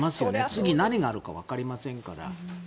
次に何があるのかわかりませんから。